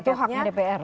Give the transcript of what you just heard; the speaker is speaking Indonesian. itu haknya dpr